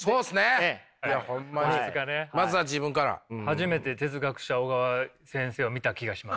初めて哲学者小川先生を見た気がします。